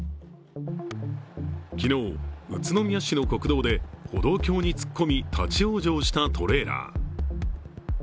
昨日、宇都宮市の国道で歩道橋に突っ込み立往生したトレーラー。